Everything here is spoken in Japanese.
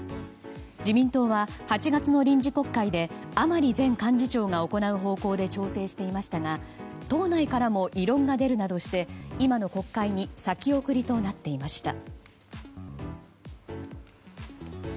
自民党は８月の臨時国会で甘利前幹事長が行う方向で調整していましたが党内からも異論が出るなどして今の国会に先送りとなっていました。